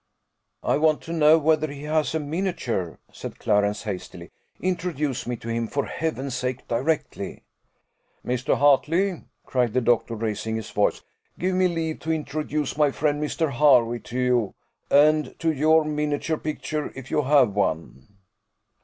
"I want to know whether he has a miniature?" said Clarence, hastily. "Introduce me to him, for Heaven's sake, directly!" "Mr. Hartley," cried the doctor, raising his voice, "give me leave to introduce my friend Mr. Hervey to you, and to your miniature picture, if you have one."